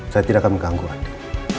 saya tidak akan mengganggu anda